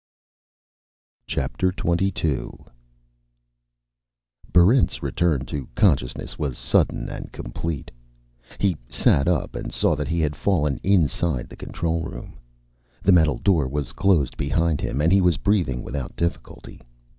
Chapter Twenty Two Barrent's return to consciousness was sudden and complete. He sat up and saw that he had fallen inside the control room. The metal door was closed behind him, and he was breathing without difficulty.